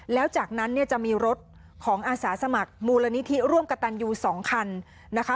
แล้วจากนั้นเนี่ยจะมีรถของอาสาสมัครมูลนิธิร่วมกระตันยู๒คันนะคะ